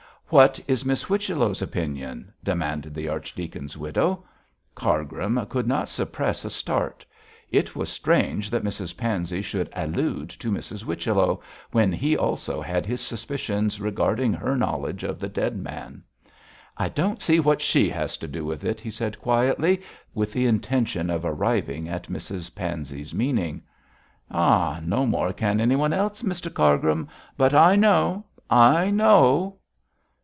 'What is Miss Whichello's opinion?' demanded the archdeacon's widow. Cargrim could not suppress a start. It was strange that Mrs Pansey should allude to Miss Whichello, when he also had his suspicions regarding her knowledge of the dead man. 'I don't see what she has to do with it,' he said quietly, with the intention of arriving at Mrs Pansey's meaning. 'Ah! no more can anyone else, Mr Cargrim. But I know! I know!'